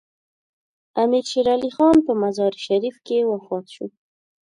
امیر شیر علي خان په مزار شریف کې وفات شو.